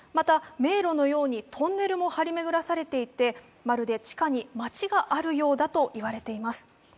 また迷路のようにトンネルも張りめぐらされていてまるで地下に街があるようだと言われています。